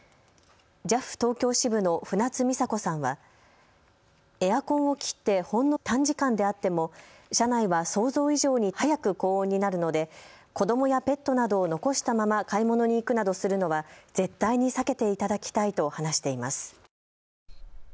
ＪＡＦ東京支部の船津実佐子さんはエアコンを切ってほんの短時間であっても車内は想像以上に早く高温になるので子どもやペットなどを残したまま買い物に行くなどするのは絶対に避けていただきたいと話しています。